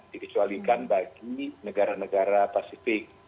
dikecualikan bagi negara negara pasifik